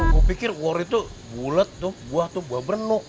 gue pikir war itu bulet tuh buah tuh buah benu